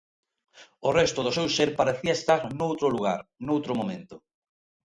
O resto do seu ser parecía estar noutro lugar, noutro momento.